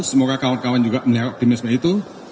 semoga kawan kawan juga melihat optimisme itu